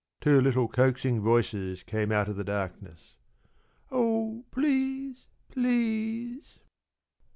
p> Two little coaxing voices came out of the darkness. "Oh, please! Please!"